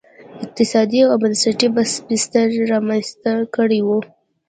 اقتصادي او بنسټي بستر رامنځته کړی و.